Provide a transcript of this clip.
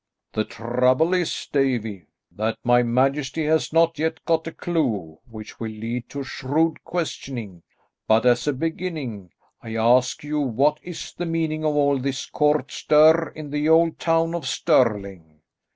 "The trouble is, Davie, that my majesty has not yet got a clue which will lead to shrewd questioning, but as a beginning, I ask you, what is the meaning of all this court stir in the old town of Stirling?"